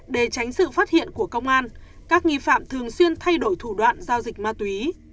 để tránh sự phát hiện của công an các nghi phạm thường xuyên thay đổi thủ đoạn giao dịch ma túy